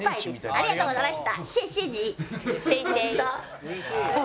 ありがとうございます。